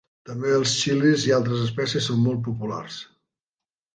També els xilis i altres espècies són molt populars.